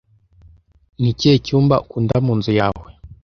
Ni ikihe cyumba ukunda mu nzu yawe?